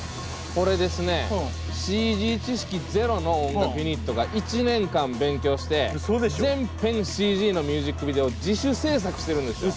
これですねＣＧ知識ゼロの音楽ユニットが１年間勉強して全編ＣＧのミュージックビデオを自主制作してるんですよ。